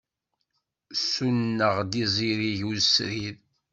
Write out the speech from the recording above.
Ssuneɣ-d izirig usrid.